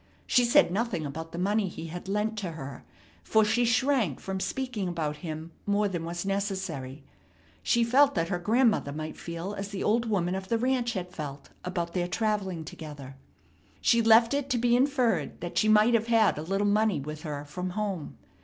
She said nothing about the money he had lent to her, for she shrank from speaking about him more than was necessary. She felt that her grandmother might feel as the old woman of the ranch had felt about their travelling together. She left it to be inferred that she might have had a little money with her from home.